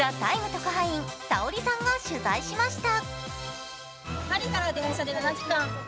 特派員Ｓａｏｒｉさんが取材しました。